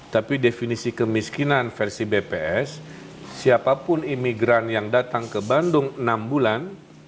tapi definisi kemiskinan versi bps siapapun imigran yang datang ke bandung enam bulan